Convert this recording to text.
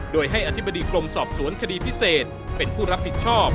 โดยให้อธิบดีกรมสอบสวนคดีพิเศษเป็นผู้รับผิดชอบ